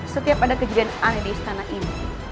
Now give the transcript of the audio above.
setiap ada kejadian aneh di istana ibu